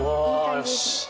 よし！